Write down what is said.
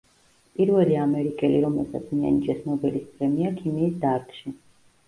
პირველი ამერიკელი, რომელსაც მიანიჭეს ნობელის პრემია ქიმიის დარგში.